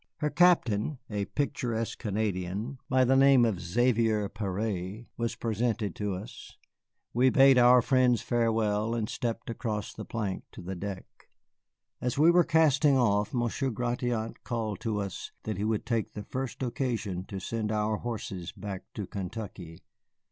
Her captain, a picturesque Canadian by the name of Xavier Paret, was presented to us; we bade our friends farewell, and stepped across the plank to the deck. As we were casting off, Monsieur Gratiot called to us that he would take the first occasion to send our horses back to Kentucky.